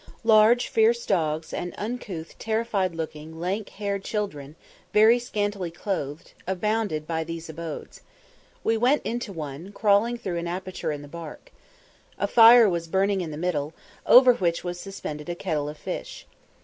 Large fierce dogs, and uncouth, terrified looking, lank haired children, very scantily clothed, abounded by these abodes. We went into one, crawling through an aperture in the bark. A fire was burning in the middle, over which was suspended a kettle of fish.